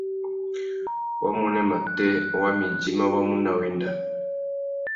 Wamuênê matê wa mà idjima wá mú nà wenda.